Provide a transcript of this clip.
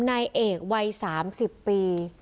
นายเอกวัย๓๐ปี